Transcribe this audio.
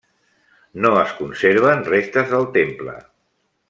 No es conserven restes del temple.